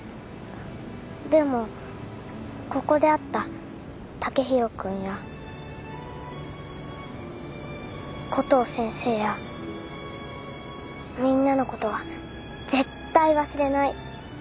でもここで会った剛洋君やコトー先生やみんなのことは絶対忘れない。